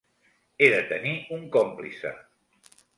He de tenir un còmplice.